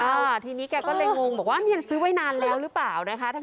อ่าทีนี้แกก็เลยงงบอกว่าเนี่ยซื้อไว้นานแล้วหรือเปล่านะคะ